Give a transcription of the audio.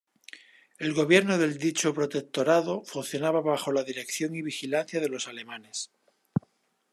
El gobierno del dicho protectorado funcionaba bajo la dirección y vigilancia de los alemanes.